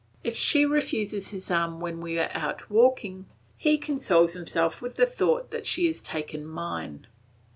If she refuses his arm when we are out walking, he consoles himself with the thought that she has taken mine.